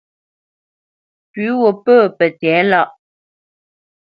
Pʉ̌ wo pə̂ pə tɛ̌lâʼ lâ.